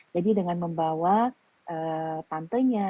jadi dengan membawa tantenya